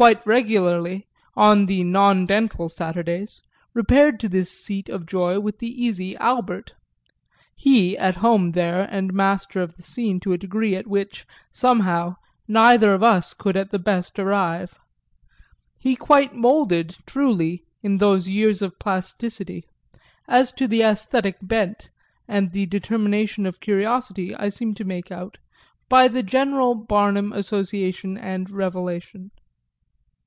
quite regularly, on the non dental Saturdays, repaired to this seat of joy with the easy Albert he at home there and master of the scene to a degree at which, somehow, neither of us could at the best arrive; he quite moulded, truly, in those years of plasticity, as to the æsthetic bent and the determination of curiosity, I seem to make out, by the general Barnum association and revelation.